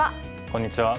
こんにちは。